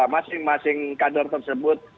masing masing kader tersebut